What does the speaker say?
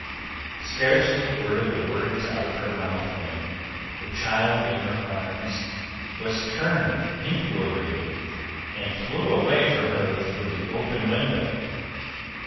Scarcely were the words out of her mouth, when the child in her arms was turned into a raven, and flew away from her through the open window.